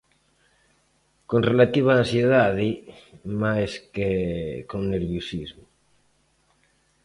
Con relativa ansiedade, mais que con nerviosismo.